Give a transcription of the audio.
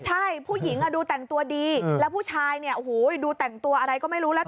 ใช่ผู้หญิงดูแต่งตัวดีแล้วผู้ชายเนี่ยโอ้โหดูแต่งตัวอะไรก็ไม่รู้แล้ว